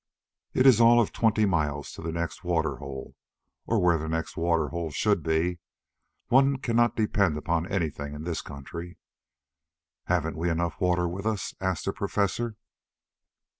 "It is all of twenty miles to the next water hole, or where the next water hole should be. One cannot depend upon anything in this country." "Haven't we enough water with us?" asked the Professor.